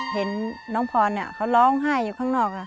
เห็นน้องพรเขาร้องไห้อยู่ข้างนอก